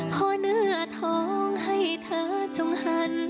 พอเนื้อท้องให้เธอจงหัน